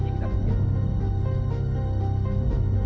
kulek sekarang waktu kita pergi